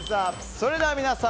それでは皆さん